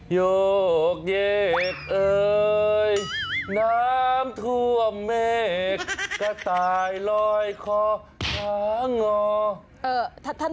โยกแยกเอ่ยน้ำท่วมเมฆกระต่ายลอยคอหางอ